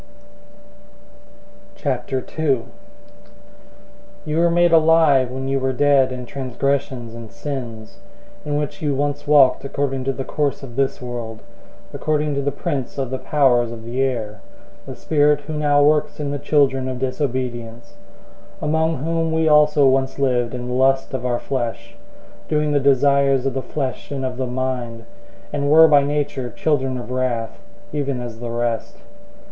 002:001 You were made alive when you were dead in transgressions and sins, 002:002 in which you once walked according to the course of this world, according to the prince of the powers of the air, the spirit who now works in the children of disobedience; 002:003 among whom we also all once lived in the lust of our flesh, doing the desires of the flesh and of the mind, and were by nature children of wrath, even as the rest.